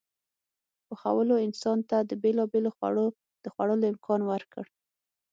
پخولو انسان ته د بېلابېلو خوړو د خوړلو امکان ورکړ.